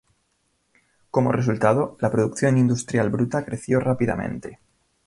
Como resultado, la producción industrial bruta creció rápidamente.